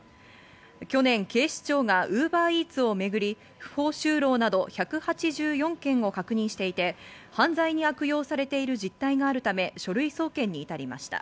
去年、警視庁がウーバーイーツをめぐり、不法就労など１８４件を確認していて、犯罪に悪用されている実態があるため書類送検に至りました。